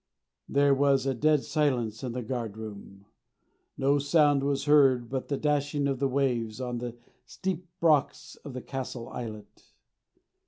There was a dead silence in the guard room no sound was heard but the dashing of the waves on the steep rocks of the Castle Islet.